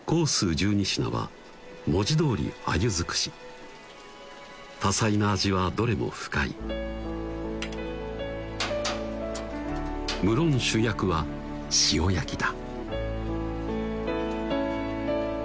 １２品は文字どおり鮎尽くし多彩な味はどれも深い無論主役は塩焼きだ